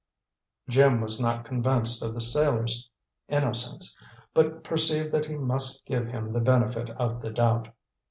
Jim was not convinced of the sailor's innocence, but perceived that he must give him the benefit of the doubt.